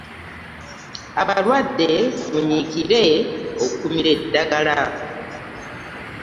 Abalwadde munyikire okumira eddagala.